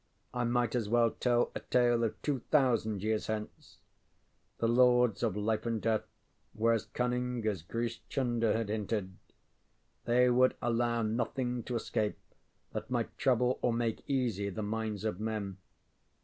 I might as well tell a tale of two thousand years hence. The Lords of Life and Death were as cunning as Grish Chunder had hinted. They would allow nothing to escape that might trouble or make easy the minds of men.